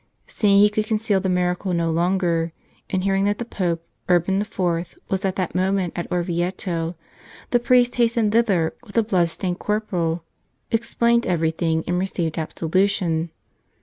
Seeing he could conceal the miracle no longer, and hearing that the Pope, Urban IV, was at that moment at Orvieto, the priest hastened thither with the blood stained corporal, explained everything and received absolution.